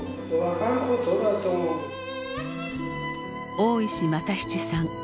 大石又七さん。